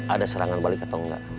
ada serangan balik atau enggak